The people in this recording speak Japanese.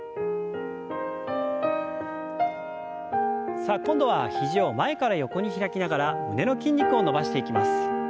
さあ今度は肘を前から横に開きながら胸の筋肉を伸ばしていきます。